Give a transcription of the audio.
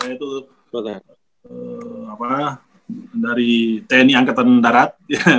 saya itu kan bapak saya itu dari tni angkatan darat